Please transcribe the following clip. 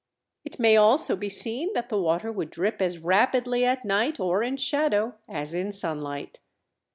It may also be seen that the water would drip as rapidly at night or in shadow as in sunlight.